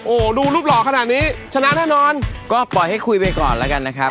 โอ้โหดูรูปหล่อขนาดนี้ชนะแน่นอนก็ปล่อยให้คุยไปก่อนแล้วกันนะครับ